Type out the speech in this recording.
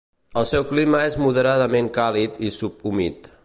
El seu clima és moderadament càlid i subhumit.